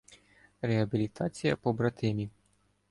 Реабілітація побратимів